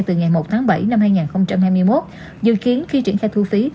từ ngày một tháng bảy năm hai nghìn hai mươi một dự kiến khi triển khai thu phí